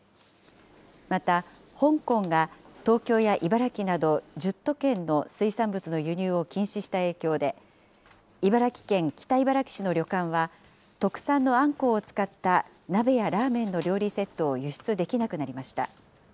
また、香港が東京や茨城など１０都県の水産物の輸入を禁止した影響で、茨城県北茨城市の旅館は、特産のあんこうを使った鍋やラーメンの料理セットを輸出できなくなりました。